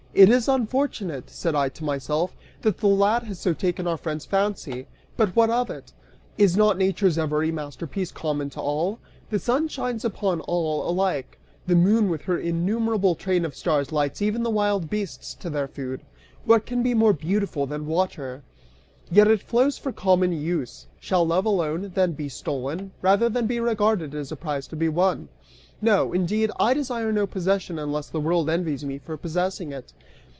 "It is unfortunate," (said I to myself,) "that the lad has so taken our friend's fancy, but what of it? Is not nature's every masterpiece common to all? The sun shines upon all alike! The moon with her innumerable train of stars lights even the wild beasts to their food. What can be more beautiful than water? "Yet it flows for common use. Shall love alone, then, be stolen, rather than be regarded as a prize to be won? No, indeed I desire no possession unless the world envies me for possessing it.